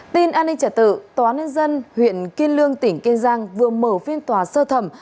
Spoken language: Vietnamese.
tin an ninh trả tự tòa nhân dân huyện kiên lương tỉnh kiên giang vừa mở phiên tòa sơ thẩm